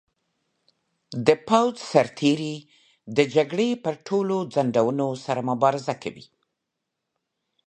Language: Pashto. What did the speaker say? د پوځ سرتیري د جګړې پر ټولو ځنډونو سره مبارزه کوي.